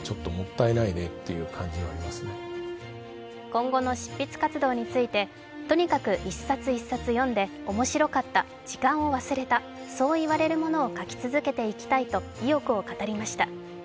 今後の執筆活動についてとにかく一冊一冊読んで面白かった、時間を忘れたそう言われるものを書き続けていきたいと意欲を語りました。